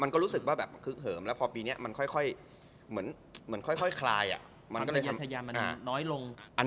มันก็รู้สึกว่าแบบคือกห่อะ